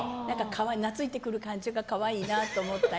なついてくる感じが可愛いなと思ったり。